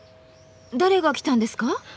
誰が来たんですか？